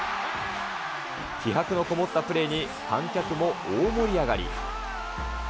気迫のこもったプレーに観客も大盛り上がり。